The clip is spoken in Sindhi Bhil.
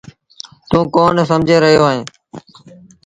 توٚنٚ ڪون سمجھي رهيو اهي